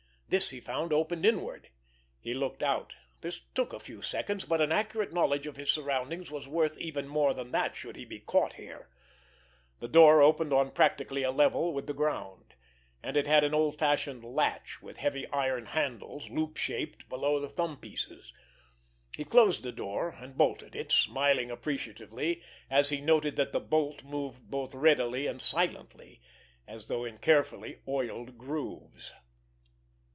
This he found opened inward. He looked out. This took a few seconds, but an accurate knowledge of his surroundings was worth even more than that should he be caught here. The door opened on practically a level with the ground; and it had an old fashioned latch, with heavy iron handles, loop shaped, below the thumb pieces. He closed the door, and bolted it, smiling appreciatively as he noted that the bolt moved both readily and silently, as though in carefully oiled grooves.